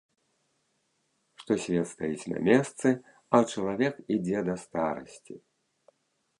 Што свет стаіць на месцы, а чалавек ідзе да старасці.